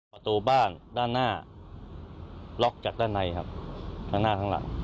ประตูบ้านด้านหน้าล็อกจากด้านในครับทั้งหน้าทั้งหลัง